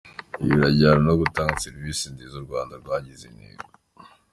Ibi biranajyana no gutanga serivisi nziza u Rwanda rwagize intego.